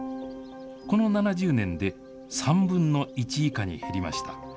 この７０年で、３分の１以下に減りました。